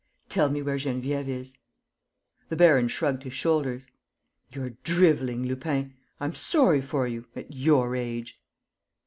"Tell me where Geneviève is." The baron shrugged his shoulders: "You're driveling, Lupin. I'm sorry for you ... at your age.